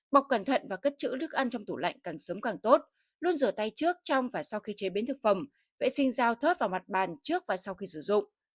bọc cẩn thận và cất chữ nước ăn trong tủ lạnh càng sớm càng tốt luôn rửa tay trước trong và sau khi chế biến thực phẩm vệ sinh dao thớt vào mặt bàn trước và sau khi sử dụng